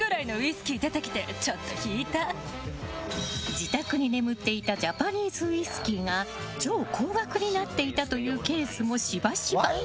自宅に眠っていたジャパニーズウイスキーが超高額になっていたというケースもしばしば。